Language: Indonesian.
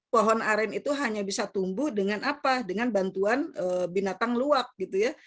pohon aren itu hanya bisa tumbuh dengan apa dengan bantuan binatang luwak gitu ya